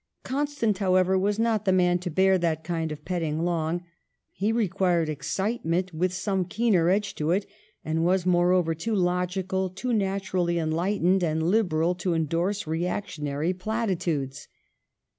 Constant, how ever, was not the man to bear that kind of petting long, he required excitement with some keener edge to it, and was, moreover, too logical, too naturally enlightened and liberal to endorse reac tionary platitudes.